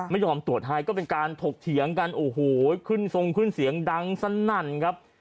ไม่ยอมตรวจให้ก็เป็นการถกเถียงกันโอ้โหขึ้นทรงขึ้นเสียงดังสนั่นครับ